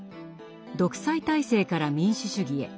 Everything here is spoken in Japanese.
「独裁体制から民主主義へ」。